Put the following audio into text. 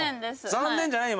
「残念」じゃないよ。